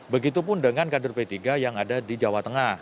begitupun dengan kader p tiga yang ada di jawa tengah